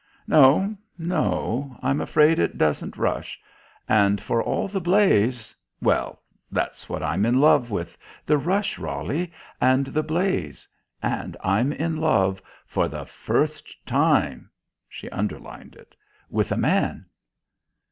"No. No. I'm afraid it doesn't rush. And for all the blaze " "Well, that's what I'm in love with, the rush, Roly, and the blaze. And I'm in love, for the first time" (she underlined it) "with a man."